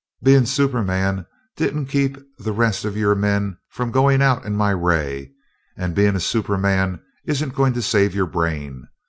Being superman didn't keep the rest of your men from going out in my ray, and being a superman isn't going to save your brain.